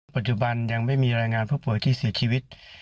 ปัจจุบันยังไม่มีรายงานผู้ป่วยที่เสียชีวิต